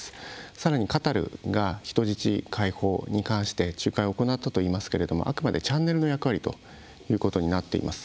さらに、カタールが人質解放に対して仲介を行ったといいますけれどもあくまでチャンネルの役割ということになっています。